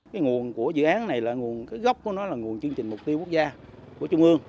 cái nguồn của dự án này là nguồn cái gốc của nó là nguồn chương trình mục tiêu quốc gia của trung ương